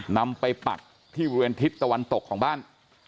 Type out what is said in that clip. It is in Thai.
นำไปปักที่บริเวณทิศตะวันตกของบ้าน